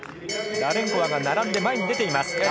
ラレンコワが並んで前に出ています。